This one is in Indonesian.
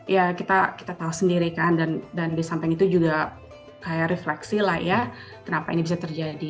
ya kita tahu sendiri kan dan di samping itu juga kayak refleksi lah ya kenapa ini bisa terjadi